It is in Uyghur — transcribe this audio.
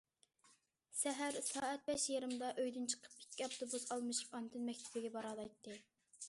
سەھەر سائەت بەش يېرىمدا ئۆيدىن چىقىپ ئىككى ئاپتوبۇس ئالمىشىپ ئاندىن مەكتىپىگە بارالايتتى.